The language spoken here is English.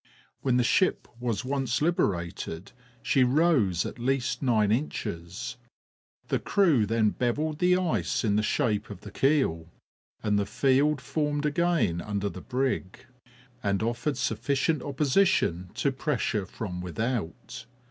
When the ship was once liberated she rose at least nine inches; the crew then bevelled the ice in the shape of the keel, and the field formed again under the brig, and offered sufficient opposition to pressure from without.